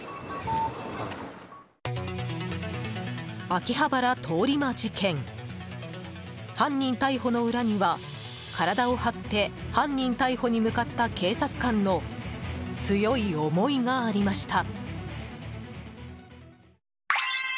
秋葉原通り魔事件犯人逮捕の裏には体を張って犯人逮捕に向かった警察官の強い思いがありました。